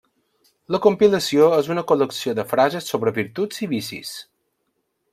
La compilació és una col·lecció de frases sobre virtuts i vicis.